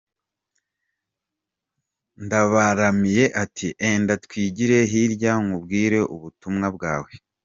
Ndabaramiye ati ”Enda twigire hirya nkubwire ubutumwa bwe.